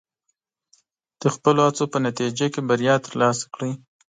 د خپلو هڅو په نتیجه کې بریا ترلاسه کړئ.